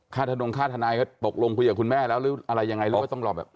ทะนงค่าทนายก็ตกลงคุยกับคุณแม่แล้วหรืออะไรยังไงหรือว่าต้องรอแบบ